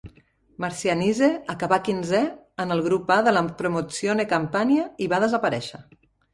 Marcianise acaba quinzè en el grup A de la Promozione Campania i va desaparèixer.